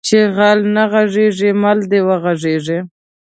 چې غل نه غېړيږي مل د وغړيږي